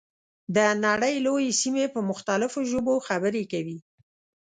د نړۍ لویې سیمې په مختلفو ژبو خبرې کوي.